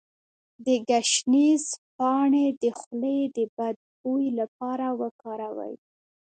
د ګشنیز پاڼې د خولې د بد بوی لپاره وکاروئ